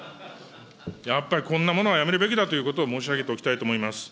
やっぱりこんなものはやめるべきだということを申し上げておきたいと思います。